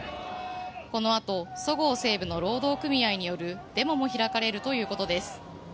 このあと、そごう・西武の労働組合によるデモも開かれるということです。